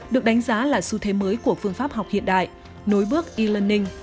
được đánh giá là xu thế mới của phương pháp học hiện đại nối bước e learning